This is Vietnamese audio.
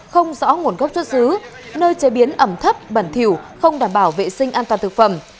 không rõ nguồn gốc xuất xứ nơi chế biến ẩm thấp bẩn thiểu không đảm bảo vệ sinh an toàn thực phẩm